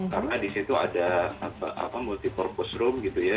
karena di situ ada multi purpose room gitu ya